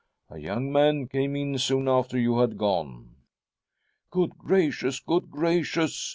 'a young man came in soon after you had gone.' ' Good gracious ! Good gracious